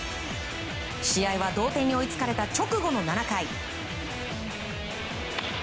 試合は同点に追いつかれた直後の７回。